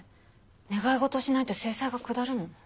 願い事をしないと制裁が下るの？